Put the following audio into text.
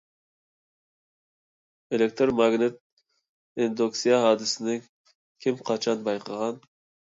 ئېلېكتىر ماگنىت ئىندۇكسىيە ھادىسىسىنى كىم، قاچان بايقىغان؟